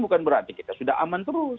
bukan berarti kita sudah aman terus